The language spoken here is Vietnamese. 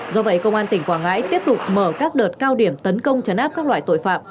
do vậy công an tỉnh quảng ngãi tiếp tục mở các đợt cao điểm tấn công chấn áp các loại tội phạm